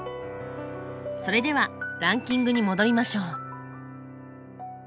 それではランキングに戻りましょう。